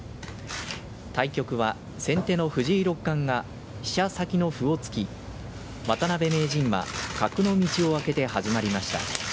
対局は先手の藤井六冠が飛車先の歩をつき渡辺名人は角の道を開けて始まりました。